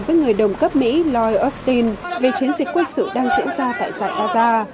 với người đồng cấp mỹ lloyd austin về chiến dịch quân sự đang diễn ra tại giải gaza